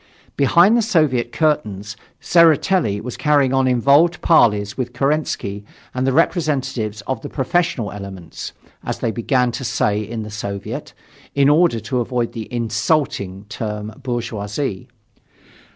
Behind the Soviet curtains, Tseretelli was carrying on involved parleys with Kerensky and the representatives of the "professional elements" as they began to say in the Soviet, in order to avoid the "insulting" term bourgeoisie.